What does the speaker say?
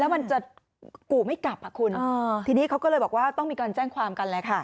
มันจะกู่ไม่กลับอ่ะคุณทีนี้เขาก็เลยบอกว่าต้องมีการแจ้งความกันแหละค่ะ